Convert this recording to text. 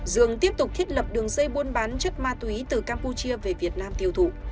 dương tiếp tục thiết lập đường dây buôn bán chất ma túy từ campuchia về việt nam tiêu thụ